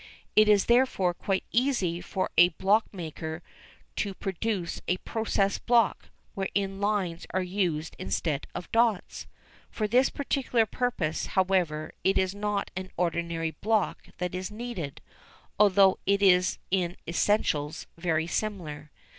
It is therefore quite easy for a blockmaker to produce a "process block" wherein lines are used instead of dots. For this particular purpose, however, it is not an ordinary block that is needed, although it is in essentials very similar.